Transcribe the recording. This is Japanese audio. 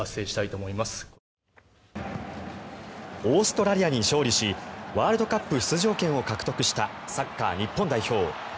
オーストラリアに勝利しワールドカップ出場権を獲得したサッカー日本代表。